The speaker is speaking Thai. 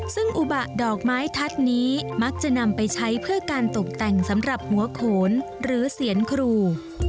ซึ่งอุบะดอกไม้ทัศน์นี้มักจะนำไปใช้เพื่อการตกแต่งสำหรับหัวโขนหรือเสียนครู